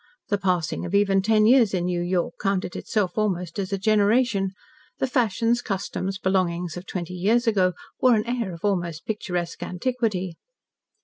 The passing of even ten years in New York counted itself almost as a generation; the fashions, customs, belongings of twenty years ago wore an air of almost picturesque antiquity.